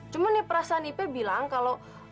cuma nih perasaan ipe bilang kalau